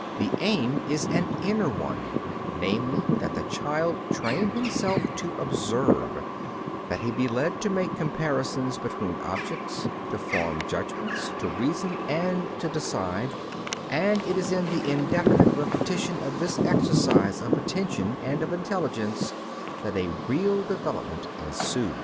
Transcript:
The aim is an inner one, namely, that the child train himself to observe; that he be led to make comparisons between objects, to form judgments, to reason and to decide; and it is in the indefinite repetition of this exercise of attention and of intelligence that a real development ensues.